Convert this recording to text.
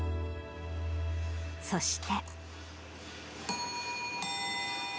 そして。